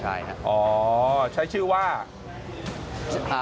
ใช่ครับใช้ชื่อว่า